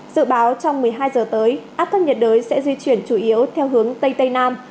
dự báo trong một mươi hai giờ tới áp thấp nhiệt đới sẽ di chuyển chủ yếu theo hướng tây tây nam